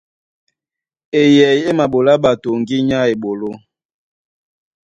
Eyɛy é maɓolá ɓato ŋgínya á eɓoló.